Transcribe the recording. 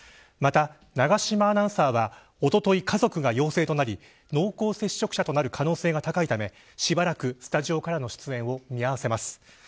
また永島アナウンサーはおととい家族が陽性となり濃厚接触者となる可能性が高いためしばらく、スタジオからの出演を見合わせます。